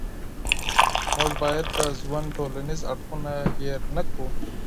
موږ باید د ژوند ټولنیز اړخونه هېر نه کړو.